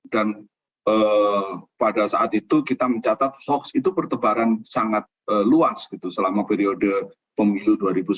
dan pada saat itu kita mencatat hoax itu pertebaran sangat luas gitu selama periode pemilu dua ribu sembilan belas